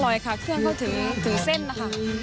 อร่อยค่ะเครื่องเขาถึงเส้นนะคะอร่อยมาก